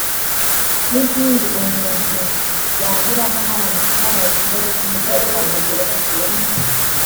n’izindi umuntu yanyuramo haramutse habaye ikibazo cy’umutekano muke